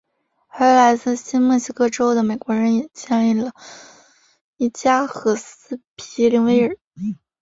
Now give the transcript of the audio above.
而来自新墨西哥州的美国人也建起了伊加和斯皮灵威尔。